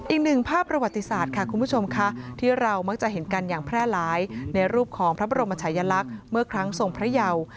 อีกหนึ่งภาพประวัติศาสตร์ค่ะคุณผู้ชมค่ะที่เรามักจะเห็นกันอย่างแพร่หลายในรูปของพระบรมชายลักษณ์เมื่อครั้งทรงพระเยา